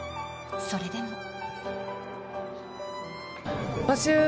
それでも。